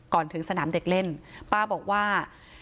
ถึงสนามเด็กเล่นป้าบอกว่า